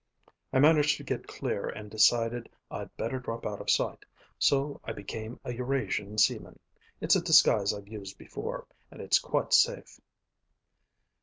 I managed to get clear and decided I'd better drop out of sight. So I became a Eurasian seaman. It's a disguise I've used before, and it's quite safe."